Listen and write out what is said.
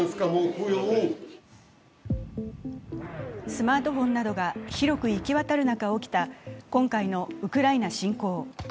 スマートフォンなどが広く行き渡る中起きた、今回のウクライナ侵攻。